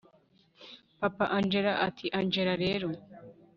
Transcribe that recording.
papa angella ati angella rero